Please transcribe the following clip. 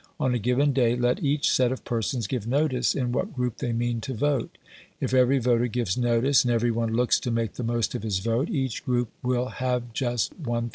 On a given day let each set of persons give notice in what group they mean to vote; if every voter gives notice, and every one looks to make the most of his vote, each group will have just 1000.